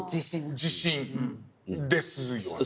自信ですよね。